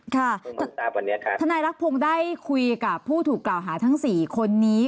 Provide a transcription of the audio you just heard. ค่ะทนายรักพงษ์ได้คุยกับผู้ถูกกล่าวหาทั้ง๔คนนี้